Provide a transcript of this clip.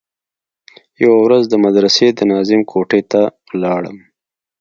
يوه ورځ د مدرسې د ناظم کوټې ته ولاړم.